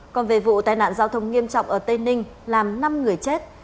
còn về vụ tai nạn giao thông nghiêm trọng ở tây ninh làm năm người chết